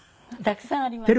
たくさんあります。